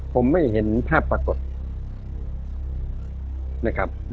ผมไม่เห็นภาพปรากฏนะครับ